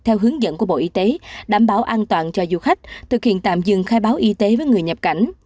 theo hướng dẫn của bộ y tế đảm bảo an toàn cho du khách thực hiện tạm dừng khai báo y tế với người nhập cảnh